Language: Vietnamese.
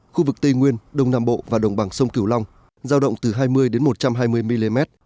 khu vực tây nguyên đông nam bộ và đồng bằng sông kiểu long giao động từ hai mươi một trăm hai mươi mm